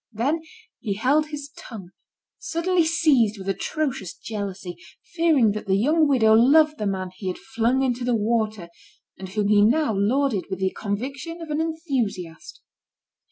Then he held his tongue, suddenly seized with atrocious jealousy, fearing that the young widow loved the man he had flung into the water, and whom he now lauded with the conviction of an enthusiast.